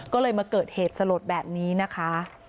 ก็เลยมาเกิดเหตุสลดแบบนี้นะคะ